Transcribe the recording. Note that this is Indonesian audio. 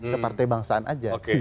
ke partai bangsaan saja